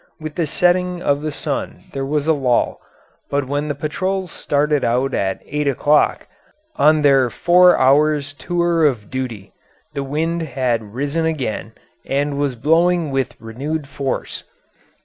With the setting of the sun there was a lull, but when the patrols started out at eight o'clock, on their four hours' tour of duty, the wind had risen again and was blowing with renewed force.